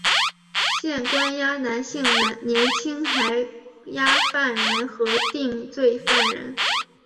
现关押男性年青还押犯人和定罪犯人。